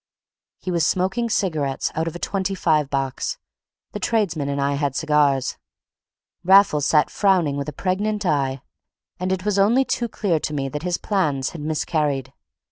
_" He was smoking cigarettes out of a twenty five box; the tradesman and I had cigars. Raffles sat frowning with a pregnant eye, and it was only too clear to me that his plans had miscarried.